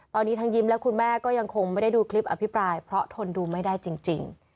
ตอนนี้ทั้งยิ้มและคุณแม่ก็ยังคงไม่ได้ดูคลิปอภิปรายเพราะทนดูไม่ได้จริง